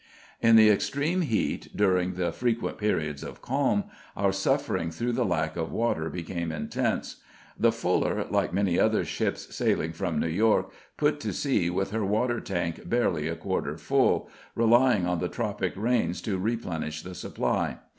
In the extreme heat, during the frequent periods of calm, our suffering through the lack of water became intense. The Fuller, like many other ships sailing from New York, put to sea with her water tank barely a quarter full, relying on the tropic rains to replenish the supply.